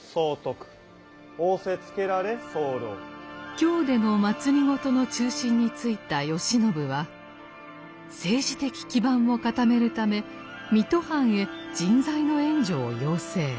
京での政の中心に就いた慶喜は政治的基盤を固めるため水戸藩へ人材の援助を要請。